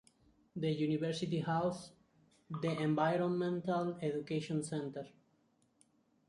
The University houses the Environmental Education Center.